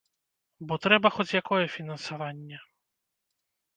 Бо трэба хоць якое фінансаванне.